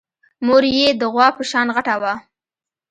مور يې د غوا په شان غټه وه.